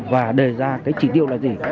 và đề ra cái chỉ điệu là gì